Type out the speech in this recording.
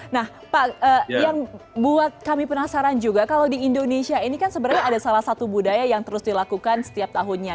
nah pak yang buat kami penasaran juga kalau di indonesia ini kan sebenarnya ada salah satu budaya yang terus dilakukan setiap tahunnya